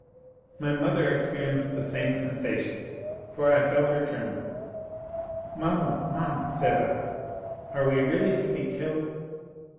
"My mother experienced the same sensations, for I felt her tremble. 'Mamma, mamma,' said I, 'are we really to be killed?